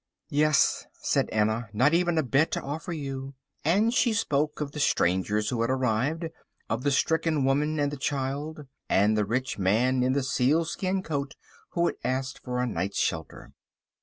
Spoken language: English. "Yes," said Anna, "not even a bed to offer you," and she spoke of the strangers who had arrived; of the stricken woman and the child, and the rich man in the sealskin coat who had asked for a night's shelter.